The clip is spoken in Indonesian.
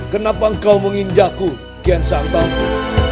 kenapa engkau menginjakku gian santai